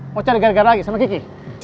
mau cari gar gar lagi sama kiki